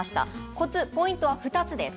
コツ、ポイントは２つです。